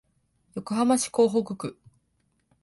横浜市港北区